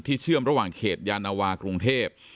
เชื่อมระหว่างเขตยานวากรุงเทพ